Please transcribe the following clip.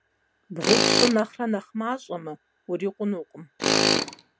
Бгъу-пщӀы нэхърэ нэхъ мащӀэмэ, урикъунукъым.